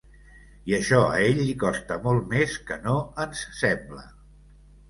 I això a ell li costa molt més que no ens sembla.